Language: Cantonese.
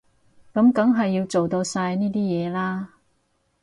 噉梗係要做到晒呢啲嘢啦